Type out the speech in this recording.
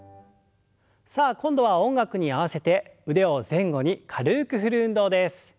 さあ今度は音楽に合わせて腕を前後に軽く振る運動です。